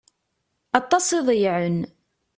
Aṭas i ḍeyyεen.